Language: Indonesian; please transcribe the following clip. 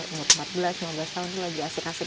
umur empat belas lima belas tahun itu lagi asik asik